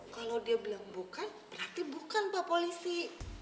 kalau dia bilang bukan berarti bukan pak polisi